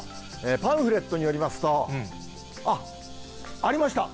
パンフレットによりますと、あっ、ありました。